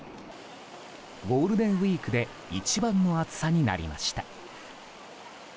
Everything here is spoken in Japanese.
ゴールデンウィークで一番の暑さになりました。